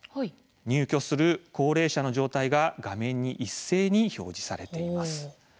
入居する高齢者の状態が画面に一斉に表示されています。